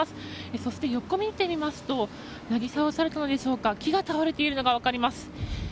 そして、横を見てみますとなぎ倒されたのでしょうか木が倒れているのが分かります。